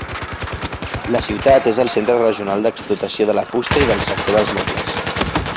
La ciutat és el centre regional d'explotació de la fusta i del sector dels mobles.